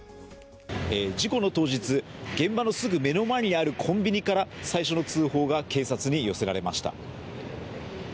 事故の当日、現場のすぐ目の前にあるコンビニから最初の通報が警察に寄せられました。